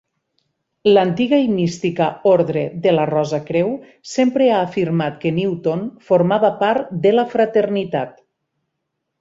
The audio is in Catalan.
L'Antiga i Mística Ordre de la Rosa-Creu sempre ha afirmat que Newton formava part de la fraternitat.